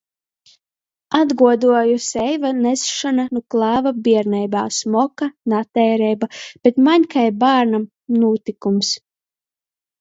Atguodoju seiva nesšonu nu klāva bierneibā. Smoka, nateireiba, bet maņ kai bārnam Nūtykums.